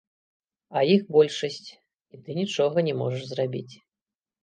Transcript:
А іх большасць, і ты нічога не можаш зрабіць.